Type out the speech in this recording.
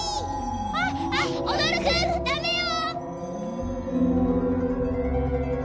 あっあっおどるくん！だめよ！